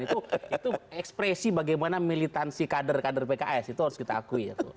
itu ekspresi bagaimana militansi kader kader pks itu harus kita akui